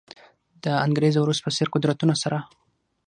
د انګریز او روس په څېر قدرتونو سره.